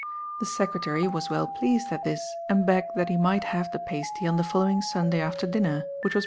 The secretary was well pleased at this, and begged that he might have the pasty on the following Sunday after dinner, which was promised him.